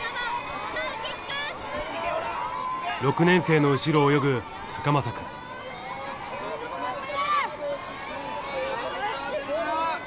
６年生の後ろを泳ぐ崇真くん。